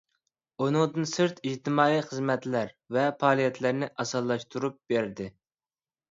ئۇنىڭدىن سىرت، ئىجتىمائىي خىزمەتلەر ۋە پائالىيەتلەرنى ئاسانلاشتۇرۇپ بەردى.